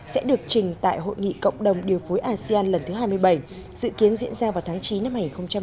sẽ được trình tại hội nghị cộng đồng điều phối asean lần thứ hai mươi bảy dự kiến diễn ra vào tháng chín năm hai nghìn hai mươi